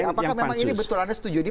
apakah memang ini betul anda setuju ini